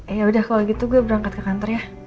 eh yaudah kalau gitu gue berangkat ke kantor ya